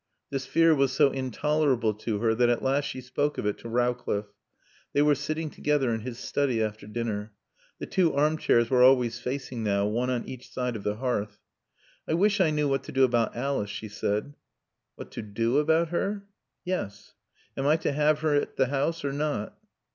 This fear was so intolerable to her that at last she spoke of it to Rowcliffe. They were sitting together in his study after dinner. The two armchairs were always facing now, one on each side of the hearth. "I wish I knew what to do about Alice," she said. "What to do about her?" "Yes. Am I to have her at the house or not?"